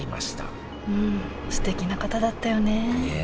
すてきな方だったよねねえ。